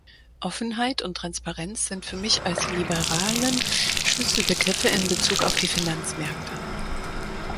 Offenheit und Transparenz sind für mich als Liberalen Schlüsselbegriffe in Bezug auf die Finanzmärkte.